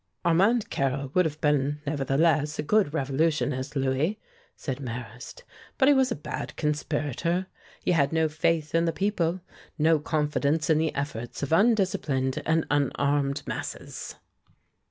"Armand Carrel would have been, nevertheless, a good revolutionist, Louis," said Marrast; "but he was a bad conspirator. He had no faith in the people, no confidence in the efforts of undisciplined and unarmed masses."